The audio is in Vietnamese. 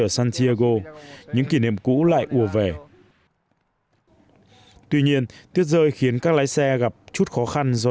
ở santiago những kỷ niệm cũ lại ủa vẻ tuy nhiên tuyết rơi khiến các lái xe gặp chút khó khăn do